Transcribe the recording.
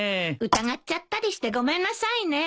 疑っちゃったりしてごめんなさいね。